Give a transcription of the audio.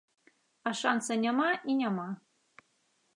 А шанца няма і няма.